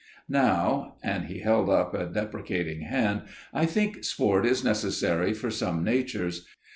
Now," and he held up a deprecating hand, "I think sport is necessary for some natures.